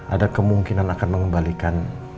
ada kemungkinan akan mengembalikan